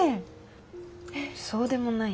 そうでもないよ。